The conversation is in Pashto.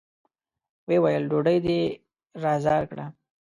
ويې ويل: ډوډۍ دې را زار کړه!